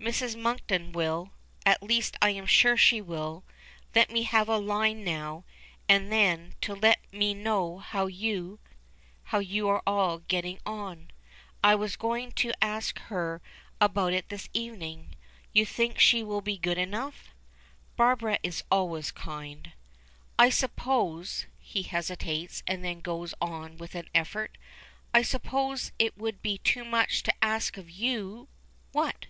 "Mrs. Monkton will at least I am sure she will let me have a line now and then to let me know how you how you are all getting on. I was going to ask her about it this evening. You think she will be good enough?" "Barbara is always kind." "I suppose" he hesitates, and then goes on with an effort "I suppose it would be too much to ask of you " "What?"